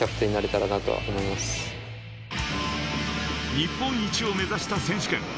日本一を目指した選手権。